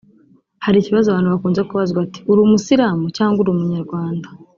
hari ikibazo abantu bakunze kubazwa ati ‘uri umusilamu cyangwa uri umunyarwanda’